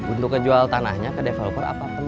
untuk kejual tanahnya ke developer apa